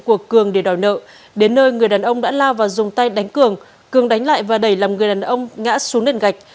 của cường để đòi nợ đến nơi người đàn ông đã lao vào dùng tay đánh cường cường đánh lại và đẩy làm người đàn ông ngã xuống nền gạch